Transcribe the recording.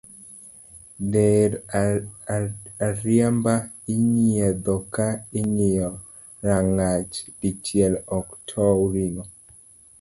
Dher ariemba inyiedho ka ingiyo rangach dichiel ok tow ringo